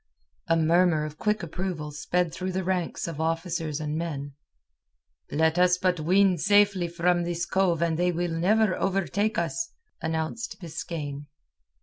A murmur of quick approval sped through the ranks of officers and men. "Let us but win safely from this cove and they will never overtake us," announced Biskaine.